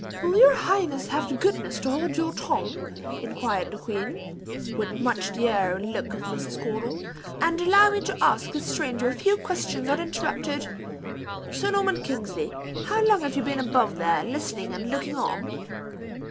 "Will your highness have the goodness to hold your tongue?" inquired the queen, with much the air and look of Mrs. Caudle, "and allow me to ask this stranger a few questions uninterrupted? Sir Norman Kingsley, how long have you been above there, listening and looking on?"